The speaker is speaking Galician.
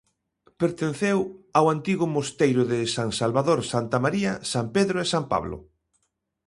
Pertenceu ao antigo mosteiro de San Salvador, Santa María, San Pedro e San Pablo.